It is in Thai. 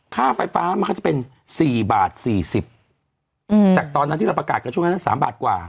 ค่าไฟฟ้ามันก็จะเป็น๔บาท๔๐จากตอนนั้นที่เราประกาศกันช่วงนั้น๓บาทกว่า